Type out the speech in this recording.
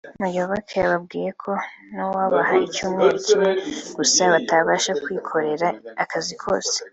Muyoboke yababwiye ko n’uwabaha icyumweru kimwe gusa batabasha kwikorera akazi kose